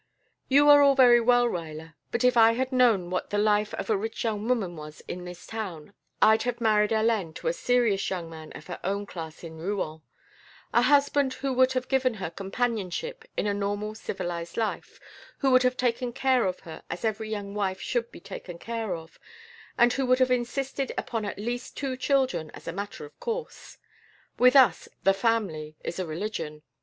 "You are all very well, Ruyler, but if I had known what the life of a rich young woman was in this town, I'd have married Hélène to a serious young man of her own class in Rouen; a husband who would have given her companionship in a normal civilized life, who would have taken care of her as every young wife should be taken care of, and who would have insisted upon at least two children as a matter of course. With us The Family is a religion.